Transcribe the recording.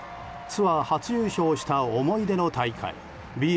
ツアー初優勝した思い出の大会